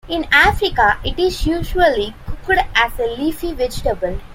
In Africa, it is usually cooked as a leafy vegetable.